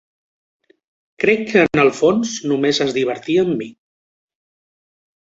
Crec que en el fons només es divertia amb mi.